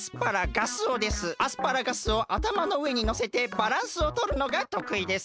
アスパラガスをあたまのうえにのせてバランスをとるのがとくいです。